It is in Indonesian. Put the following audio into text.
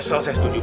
ngesel saya setuju